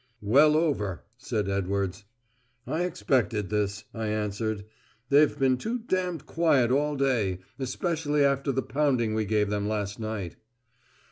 "Well over," said Edwards. "I expected this," I answered. "They've been too d d quiet all day especially after the pounding we gave them last night."